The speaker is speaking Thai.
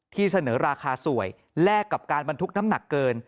ที่เสนอราคาสวยแลกกับการบรรทุกน้ำหนักเกิน